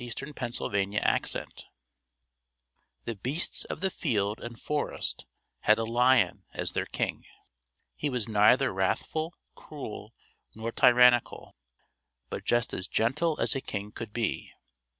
The Kingdom of the Lion THE BEASTS of the field and forest had a Lion as their king. He was neither wrathful, cruel, nor tyrannical, but just and gentle as a king could be.